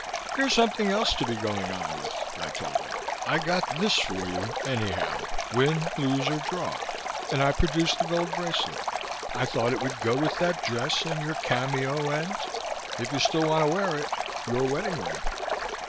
"Here's something else to be going on with," I told her. "I got this for you, anyhow, win, lose or draw" and I produced the gold bracelet. "I thought it would go with that dress and your cameo and if you still want to wear it your wedding ring."